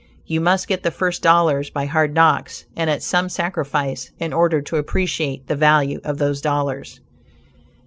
You must get the first dollars by hard knocks, and at some sacrifice, in order to appreciate the value of those dollars.